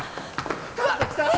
神崎さん。